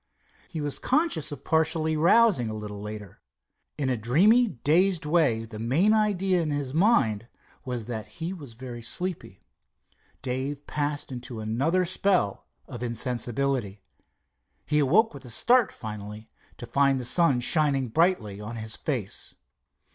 He was conscious of partially rousing a little later. In a dreamy, dazed way the main idea in his mind was that he was very sleepy. Dave passed into another spell of insensibility. He awoke with a start finally, to find the sun shining brightly on his face.